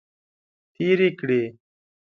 تیرې کړې.